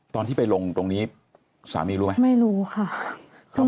ตอนที่ไปลงตรงนี้สามีรู้ไหม